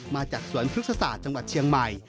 มาจากสวนพฤกษศาสตร์จังหวัดเชียงใหม่